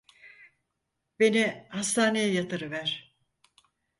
Beni hastaneye yatırıver.